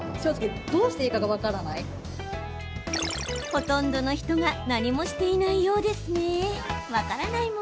ほとんどの人が何もしていないようですね。